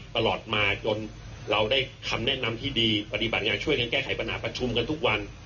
ตลอดมาจนเราได้คำแนะนำที่ดีปฏิบัติงานช่วยกันแก้ไขปัญหาประชุมกันทุกวัน